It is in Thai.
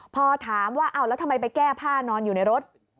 พอถามว่าเอาแล้วทำไมไปแก้ผ้านอนอยู่ในรถ